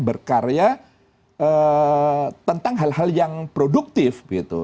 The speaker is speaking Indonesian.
berkarya tentang hal hal yang produktif